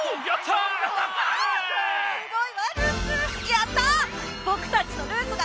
やった！